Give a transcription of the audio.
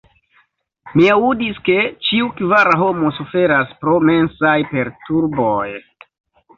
Mi aŭdis, ke ĉiu kvara homo suferas pro mensaj perturboj.